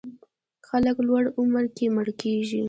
خلک لوړ عمر کې مړه کېږي.